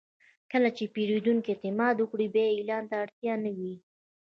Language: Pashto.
کله چې پیرودونکی اعتماد وکړي، بیا اعلان ته اړتیا نه وي.